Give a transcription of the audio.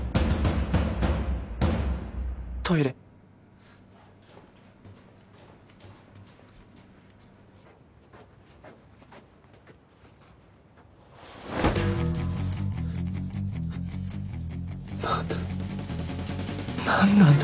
トイレな何なんだ